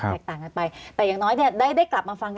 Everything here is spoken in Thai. แตกต่างน่ะไปแต่อย่างณ้อยเนี้ยได้ได้กลับมาฟังกัน